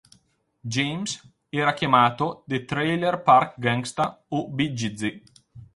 James era chiamato "the Trailer Park Gangsta" o "B-Jizzle".